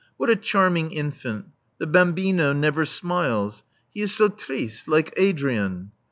What a charming infant! The bambino never smiles. He is so triste^ like Adrian!"